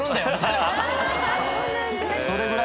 それぐらい。